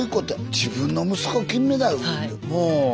自分の息子金メダル。